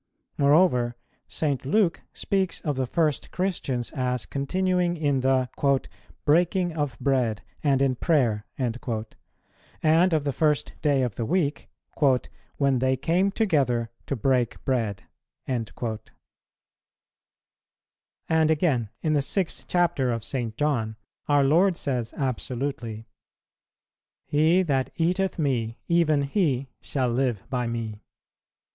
Moreover, St. Luke speaks of the first Christians as continuing in the "breaking of bread, and in prayer," and of the first day of the week "when they came together to break bread." And again, in the sixth chapter of St. John, our Lord says absolutely, "He that eateth Me, even he shall live by Me."